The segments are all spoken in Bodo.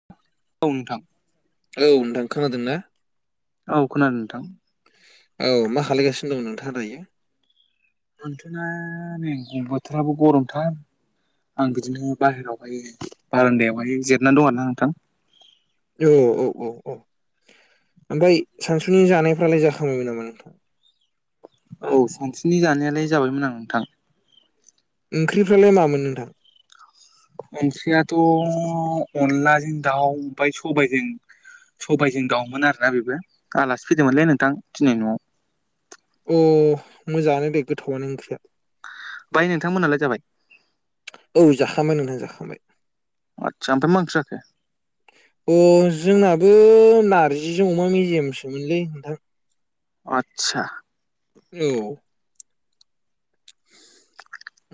[inaudible] औ नोंथां। औ नोंथां खोनादों ना? औ खोनादों नोंथां। औ मा खालायगासिनो दं नोंथाङा दायो? नोंथाङा नै बोथोराबो गरमथार। आं बिदिनो बाहेरावहाय बारान्दायावहाय जिरायनानै दं आरोना नोंथां। औ औ औ औ ओमफाय सानसुनि जानायफ्रालाय जाखांबाय नामा नोंथां? औ सानसुनि जानायालाय जाबायमोन आं नोंथां। ओंख्रिफ्रालाय मामोन नोंथां? ओंख्रियाथ' अनलाजों दाउ ओमफ्राय सबायजों सबाइजों दाउमोन आरोना बेबो आलासि फैदोंमोनलै नोंथां दिनै न'आव। अ मोजाङानो दे गोथावनो ओंख्रिया। बाय नोंथांमोनहालाय जाबाय? औ जाखांबाय नोंथां जाखांबाय। आतसा ओमफ्राय मा ओंख्रि जाखो? जोंनाबो नारजिजों अमा मेजेमसोमोनलै नोंथां। आतसा। औ।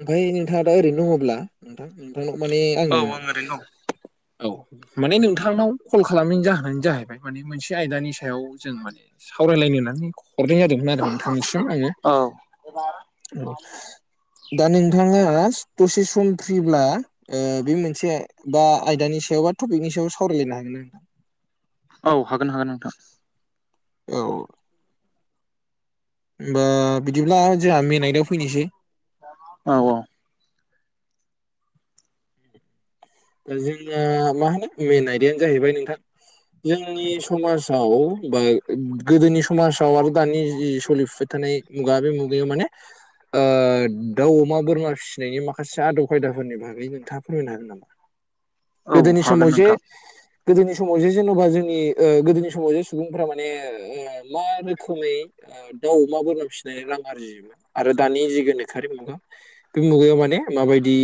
ओमफाय नोंथाङा दा ओरैनो दङब्ला नोंथां नोंथांनाव माने औ आङो आं ओरैनो दं औ माने नोंथांनाव कल खालामनायनि जाहोनानो जाहैबाय माने मोनसे आयदानि सायाव जों माने सावरायलायनो होननानै हरनाय जादोंमोन आरो नोंथांनिसिम आङो। औ दा नोंथाङा दसे सम फ्रिब्ला ओ बे मोनसे बा आयदानि सायाव बा टपिकनि सायाव सावरायलायनो हागोन नोंथां। औ हागोन हागोन नोंथां। औ। होमबा बिदिब्ला जोंहा मेन आयदायाव फैनोसै। औ औ। जोंना मा होनो मेन आयदायानो जाहैबाय नोंथां जोंनि समाजाव बा गोदोनि समाजाव आरो दानि जि सोलिफुबाय थानाय मुगा बे मुगायाव माने ओ दाउ अमा बोरमा फिसिनायनि माखासे आदब खायदाफोरनि बागै नोंथाङा फोरमायनो हागोन नामा? औ गोदोनि हागोन समाव जे नोंथां गोदोनि समाव जे जेनेबा जोंनि ओ गोदोनि समाव जे सुबुंफ्रा माने ओ मा रोखोमै ओ दाउ अमा बोरमा फिसिनानै रां आरजियो। आरो दानि जि गोनोखोआरि मुगा बे मुगायाव माने माबायदि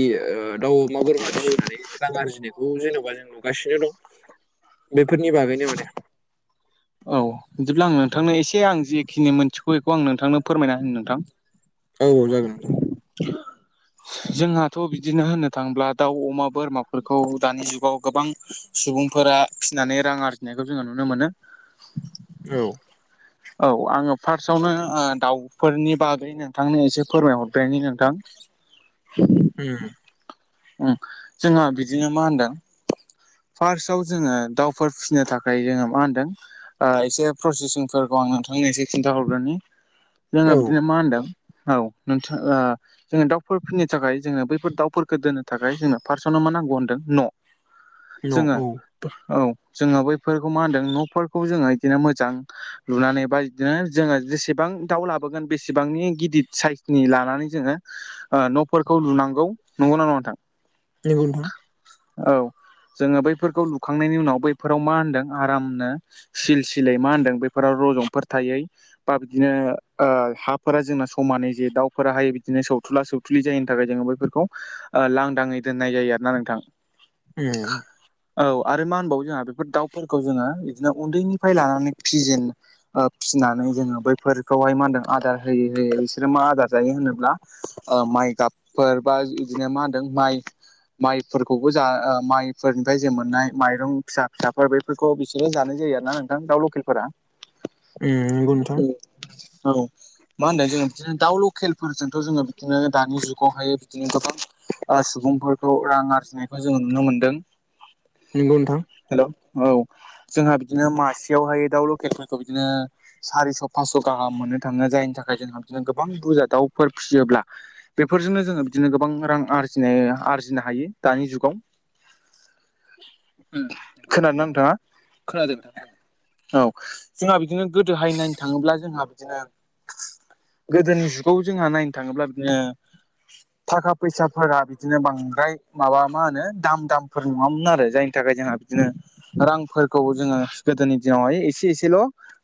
ओ दाउ अमा बोरमा फिसिनानै रां आरजिनायखौ जेनेबा जों नुगासिनो दं बेफोरनि बागैनो माने। औ बिदिब्ला आं औ नोंथांनो एसे आं जिखिनि मोनथिगौ एखौ आं नोंथांनो फोरमायना होनि नोंथां। औ जागोन नोंथां। [inaudible] जोंहाथ' बिदिनो होननो थाङोब्ला दाउ अमा बोरमाफोरखौ दानि जुगाव गोबां सुबुंफोरा फिनानै रां आरजिनायखौ जोङो नुनो मोनो। औ। औ आङो फार्स्टआवनो ओ दाउफोरनि बागै नोंथांनो एसे फोरमाय हरग्रोनि नोंथां। [inaudible] उम। उम जोङो बिदिनो मा होनदों? फार्साव जोङो दाउफोर फिसिनो थाखाय जोङो मा होनदों? ओ एसे प्रसेसिंफोरखौ आं नोंथांनो एसे खिन्थाहरग्रोनि जोङो औ बिदिनो मा होनदों? औ नोंथां ओ जोङो दाउफोर फिनो थाखाय जोङो बैफोर दाउफोरखो दोनो थाखाय जोंनो फार्सआवनो मा नांगौ होनदों? न' न जोङो औ औ जोङो बैफोरखौ मा होनदों न'फोरखौ जोङो इदिनो मोजां लुनानै बा इदिनो जोङो जेसेबां दाउ लाबोगोन बेसेबांनि गिदद साइसनि लानानै जोङो ओ न'फोरखौ लुनांगौ नंगौना नङा नोंथां? [unintelligible] औ जोङो बैफोरखौ लुखांनायनि उनाव बैफोराव मा होनदों आरामनो सिल सिलै मा होन्दों बेफोराव रजंफोर थायै। बा बिदिनो ओ हाफोरा जोंना समानै जे दाउफोरा हाय बिदिनो सौथुला सौ थुलि जायैनि थाखाय जोङो बैफोरखौ ओ लांदाङै दोननाय जायो आरो ना नोंथां। उम। औ आरो मा होनबावो जोंहा बेफोर दाउफोरखौ जोङो इदिनो उन्दैनिफ्राय लानानै फिजेन ओ फिसिनानै जोङो बैफोरखौहाय मा होनदों आदार होयै होयै बिसोरो मा आदार जायो होनोब्ला? ओ माइ गाबफोर बा इदिनो मा होनदों माइ। माइफोरखौबो जा ओ माइफोरनिफ्राय जों मोननाय माइरं फिसा फिसाफोर बे फोरखौ बिसोरो जानाय जायो आरो ना नोंथां दाउ लकेलफोरा। उम नोंगौ नोंथां। औ औ। मा होनदों जोङो बिदिनो दाउ लकेलफोरजोंथ' जोङो बिदिनो दानि जुगावहाय बिदिनो गोबां ओ सुबुंफोरखौ रां आरजिनायखौ जोङो नुनो मोनदों। नोंगौ नोंथां। हेल' औ जोंहा बिदिनो मासेयावहाय दाउ लकेलफोरखौ बिदिनो। सारिस' पास्स' गाहाम मोननो थाङो जायनि थाखाय जोंहा बिदिनो गोबां बुरजा दाउफोर फिसियोब्ला। बेफोरजोंनो जोङो बिदिनो गोबां रां आर जिनाय आरजिनो हायो दानि जुगाव। उम नंगौ खोनानो नंगौ नोंथाङा? खोनादों नोंथां खोनादों औ जोंहा बिदिनो गोदोहाय नायनो थाङोब्ला जोंहा बिदिनो गोदोनि जुगाव जोंहा नायनो थाङोब्ला बिदिनो थाखा फैसा फोर बिदिनो बांद्राय माबा मा होनो दाम दामफोर नङामोन आरो जायनि थाखाय जोंहा बिदिनो रांफोरखौ जोङो गोदोनि दिनावहाय एसे एसेल'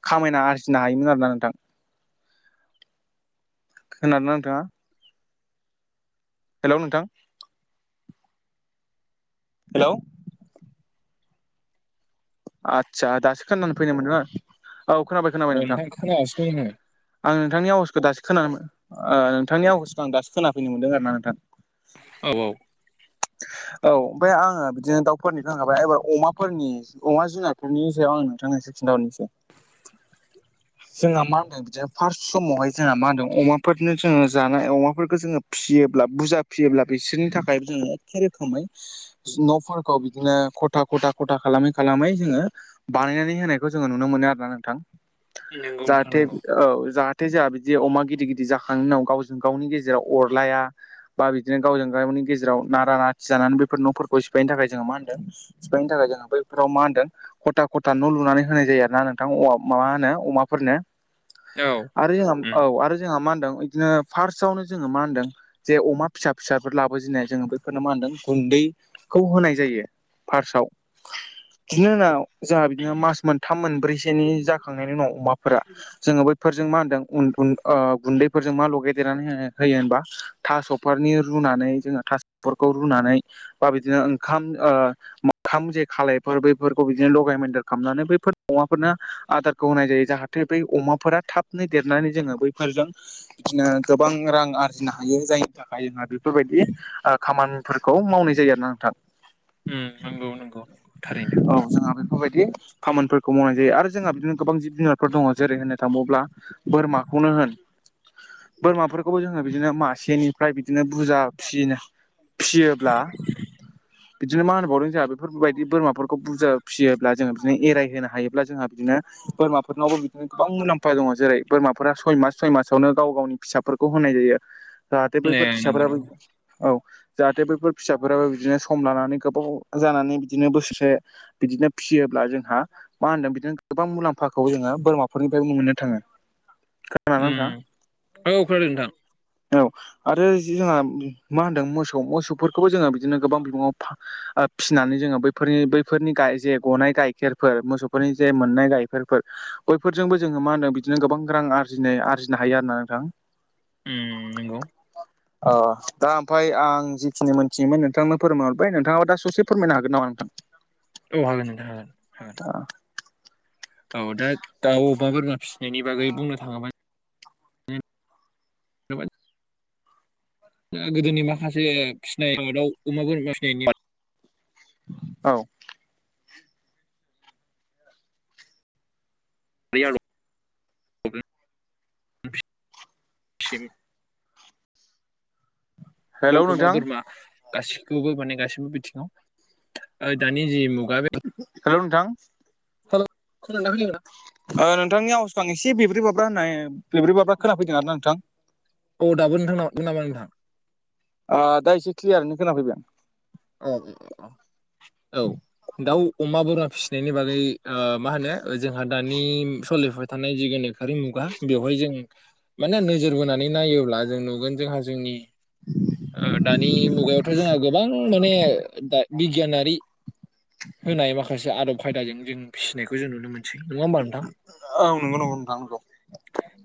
खामायना आरजिनो हायोमोन आरोना नोंथां, ख आर ना नोंथाङा? हेल' नोंथां। हेल'। आदसा दासो खोनानानै फैनोमोन नङा औ खोनाबाय अ खोनाबाय नोंथां। खोनागासिनो दं आं नोंथांनि आव'जखौ दास खोनानो ओ नोंथांनि आव'जसखौ आं दासो खोनाफैनो मोनदों आरो ना नोंथां। औ औ औ ओमफ्राय आङो बिदिनो दाउफोरनि थांखाबाय एबार अमाफोरनि अमा जुनारफोरनि सायाव आं नोंथांस खिन्थाहरनोसै जोंहा मा होनदों? बिदिनो फार्स्ट समावहाय जोंहा मा होनदों अमाफोरनो जोङो जानाय अमाफोरखौ जोङो फियोब्ला बुरजा फियोब्ला बिसोरनि थाखाय जोङो एखे रोखोमै न'फोरखौ बिदिनो खथा खथा खथा खालामो। खालामै जोङो बानायनानै होनायखौ जोङो नुनो मोनो आरो ना नोंथां। नंगौ नोंथां जाहाथे नंगौ औ जाहा थे जोंहा बिदि अमा गिदिर गिदिर जाखांनायनि उनाव गावजों गावनि गेजेराव अरलाया। बा बिदिनो गावजों गावनि गेजेराव नारा नाथि जानानै बेफोर न'फोरखौ सिफायनो थाखाय जोङो मा होनदों? सिफायनो थाखाया जोङो बै फोराव मा होनदों खथा खथा न' लुनानै होनाय जायो आरो ना नोंथां अवा मा होनो अमाफोरनो। औ आरो जोंहा औ आरो जोंहा मा होनदों बिदिनो फार्स्टआवनो जोङो मा होनदों? जे अमा फिसा फिसाफोर लाबोजेननाय जोङो बेफोरनो मा होनदों गुन्दैखौ होनाय जायो। फार्स्टआव बिनि उनाव जोंहा बिदिनो मास मोनथाम मोनब्रैसेनि जाखांनायनि उनाव अमाफोरा जोङो बै फोरजों मा होनदों उन गुन ओ गुन्दैफोरजों मा लगायदेरनानै होयो होनबा? थास'फोरनि रुनानै जोङो थास'फोरखौ रुनानै बा बिदिनो ओंखाम ओ मओखाम जे खालायफोर बैफोरखौ बिदिनो लगाय मेदेर खालामनानै बैफोर अमाफोरनो आदारखौ होनाय जायो जाहाथे बै अमाफोरा थाब देरनानै जोङो बैफोरजों बिदिनो गोबां रां आरजिनो हायो जाय थाखाय जोंहा बेफोरबायदि ओ खामानिफोरखौ मावनाय जायो आरो ना नोंथां। उम नंगौ नंगौ थारैनो औ जोंहा बेफोरबायदि खामानिफोरखौ मावनाय जायो आरो जोंहा बिदिनो गोबां जिब जुनार फोर दङ जेरै होननो थाबावब्ला बोरमाखौनो होन बोरमाफोरखौबो जोङो बिदिनो मासेनिफ्राय बिदिनो बुरजा फिसिनो फियोब्ला बिदिनो मा होनबावदों जोंहा बे बेफोरबायदि बोरमाफोरखौ बुरजा फियोब्ला जोङो बिदिनो एरायहोनो हायोब्ला जोंहा बिदिनो बोरमाफोरनावबो बिदिनो गोबां मुलाम्फा दङ जेरै बोरमाफोरा सय मास सय मासावनो गाव गावनि फिसाफोरखौ होनाय जायो। जाहाथे ए बैफोर नंगौ फिसाफोराबो नंगौ औ जाहाथे बैफोर फिसाफोराबो बिदिनो सम लानानै गोबाव जानानै बिदिनो बोसोरसे बिदिनो फिसियोब्ला जोंहा मा होनदों बिदिनो गोबां मुलाम्फाखौ जोङो बोरमाफोरनिफ्राय मोननो थाङो। खोनादोंना नोंथां उम औ खोनादों नोंथां। औ आरो जि जोंहा मा होनदों मोसौ मोसौफोरखौबो जोङो बिदिनो गोबां बिबाङाव फा ओ फिसिनानै जोङो बैफोरनि बैफोरनि गा जे गनाय गाइखेरफोर मोसौफोरनि जे मोननाय गाइखेरफोर बयफोरजोंबो जोङो मा होनो बिदिनो गोबां रां आरजिनाय आरजिनो हायो आरो ना नोंथां। उम नोंगौ। अह दा ओमफाय आं जिखिनि मोनथियोमोन नोंथांनो फोरमायहरबाय नोंथाङाबो दा ससे फोरमायनो हागोन नामा नोंथां? औ हागोन नोंथां हागोन हागोन अह औ दा दाउ अबेबा बोरमा फिसिनायनि बागै बुंनो थाङोबा ओ गोदोनि माखासे फिसिनाय दाउ अमा बोरमा फिसिनायनि बादै औ [unintelligible] हेलौ दाउ अमा नोंथां बोरमा। गासैखौबो माने गासैबो बिथिङाव ओ दानि जि मुगा बे हेलौ नोंथां हेलौ खोनादों ना खोनायाखै नोंथां ओ नोंथांनि आउसखौ आं एसे बेब्रै बाब्रा होननाय बेब्रे बाब्रा खोनाफैदों आरो ना नोंथां औ दाबो नोंथांनाव [unintelligible] नामा नोंथां आ दा एसे क्लियारैनो खोनाफैबाय आं औ औ औ दाउ अमा बोरमा फिसिनायनि ओ बागै मा होनो जोंहा दानि सलिफुबाय थानाय जेगोनोखो खारि मुगा बेवहाय जों माने नोजोर बोनानै नायोब्ला जों नुगोन जोंहा जोंनि ओ दानि मुगायावथ जोंहा गोबां माने बिगियानारि होनाय माखासे आदब खायदाजों जों फिसिनायखौ जों नुनो मोनो नङा होमबा नोंथां आं औ नंगौ नंगौ नोंथां नंगौ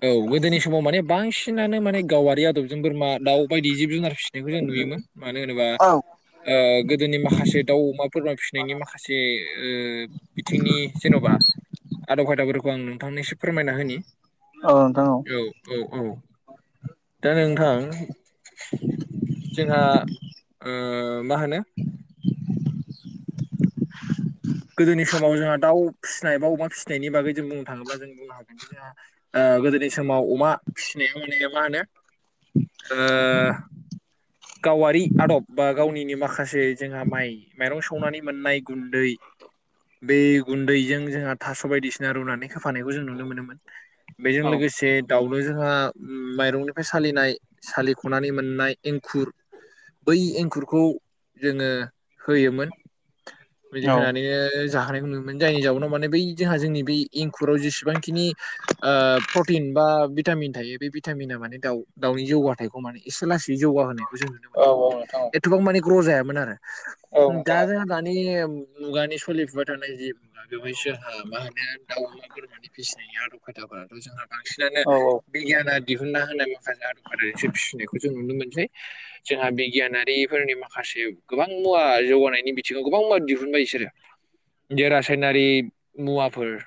औ गोदोनि समाव माने बांसिनानो माने गावारि आदबजों बोरमा दाउ बायदि जिब जुनार फिसि बेखौ जों नुयोमोन मानो होनोबा औ ओ गोदोनि माखासे दाउ अमा बोरमा फिसिनायनि माखासे ओ बिथिंनि जेनबा आदब खायदाफोरखौ आं नोंथांनिसिम फोरमायना होनि औ नोंथां औ औ औ दा नोंथां जोंहा ओ मा होनो गोदोनि समाव जोंहा दाउ फिसिनाय बा अमा फिसिनायनि बागै जों बुंनो थाङोब्ला जों बुंनो हागोन जे जोंहा ओ गोदोनि समाव अमा फिसिनायाव माने मा होनो ओ गावारि आदब बा गावनिनो माखासे जोंहा माइ माइरं सौनानै मोननाय गुन्दै बे गुन्दैजों जोंहा थास बायदिसिना रुनानै होफानायखौ जों नुनो मोनो बेजों औ लोगोसे दाउनो जोंहा माइरंनिफ्राय सालिनाय सालिखनानै मोननाय‌ एं खुर बै एंखुरखौ जोङो होयोमोन बिदि होनानै जाहोनायखौ नुनो मोन जायनि जाउनाव माने बै जोंहा जोंनि बै एंखुराव जेसेबांखिनि ओ प्रटिन बा भिटामिन थायो बे भिटामिना माने दाउ दाउनि जौगाथायखौ माने एसे लासै जौगाहोयो बेखौ जों नुनो‌ औ मोनोमोन माने नोंथां एथबां माने ग्र जायामोन आरो औ औ दा नोंथां जों दानि मुगानि सलिफुबाय थानाय जि दा बेवहाय जोंहा मा होनो दाउ अमा बोरमानि फिसिनाय आदब खायदाफोराथ‌‌ जोंहा बांसिनानो औ बिगियाना दिहुनना होनाय माखासे आदब खायदाजोंसो फिसिनायखौ जों नुनो मोनसै जोंहा बिगियानारिफोरनि माखासे गोबां मुवा जौगानायनि बिथिङाव गोबां मुवा दिहुनबाय इसोरो [unintelligible] रासायनारि मुवाफोर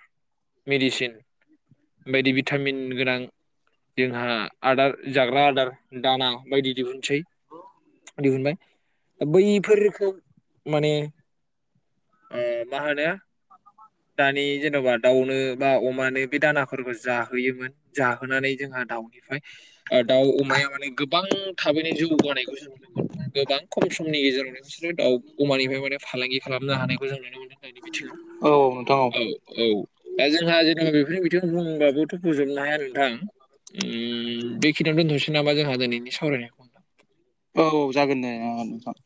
मेडिसिन बायदि भिटामिन गोनां जोंहा आदार जाग्रा आदार दाना बायदि दिहुन निसै दिहुनबाय दा बैफोरखौ माने अ माहोनो अ दानि जेन'बा दाउनो बा अमानो बे दानाफोरबो जाहोयोमोन जाहोनानै जोंहा दाउनिफ्राय दाउ अमाया माने गोबां थाबैनो जौगानायखौ जों नु मोन गोबां खम समनि गेजेरावनो बिसोरो दाउ अमानिफ्राय माने फालांगि खालामनो हानायखौ जों नुनो मोनदों दनि बिथिङाव औ नोंथां औ औ दा जोंहा जेनेबा बेफोरनि बिथिं बुंबाबोथ' बुजोबनो हाया नोंथां बेखिनियाव दोनथ'नोसै नामा जोंहा दिनैनि सावरायनायखौ मोनदों औ जागोन दे नोंथां